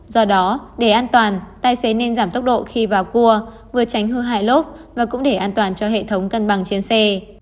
do đó để an toàn tài xế nên giảm tốc độ khi vào cua vừa tránh hư hại lốp và cũng để an toàn cho hệ thống cân bằng trên xe